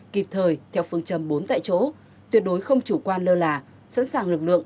kịp thời theo phương châm bốn tại chỗ tuyệt đối không chủ quan lơ là sẵn sàng lực lượng